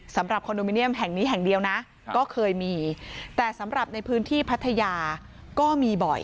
คอนโดมิเนียมแห่งนี้แห่งเดียวนะก็เคยมีแต่สำหรับในพื้นที่พัทยาก็มีบ่อย